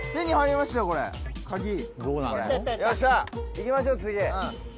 いきましょう次。